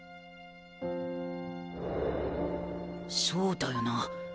そうだよな。